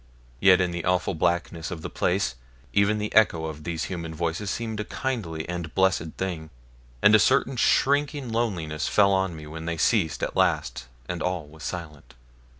Yet in the awful blackness of the place even the echo of these human voices seemed a kindly and blessed thing, and a certain shrinking loneliness fell on me when they ceased at last and all was silent.